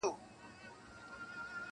• و سر لره مي دار او غرغرې لرې که نه,